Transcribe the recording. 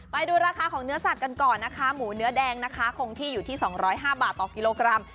ไปดูราคาของเนื้อสัตว์กันก่อนนะคะหมูเนื้อแดงนะคะคงที่อยู่ที่๒๐๕บาทต่อกิโลกรัม